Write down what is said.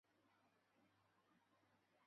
太古宙是地质年代中的一个宙。